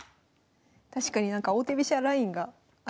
確かになんか王手飛車ラインがありそうですね。